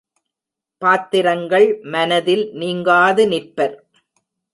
பாத்திரர்கள் மனதில் நீங்காது நிற்பர்.